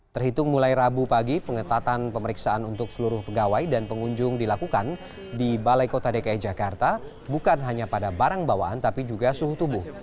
terhitung mulai rabu pagi pengetatan pemeriksaan untuk seluruh pegawai dan pengunjung dilakukan di balai kota dki jakarta bukan hanya pada barang bawaan tapi juga suhu tubuh